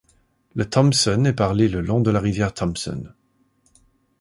Le thompson est parlé le long de la rivière Thompson.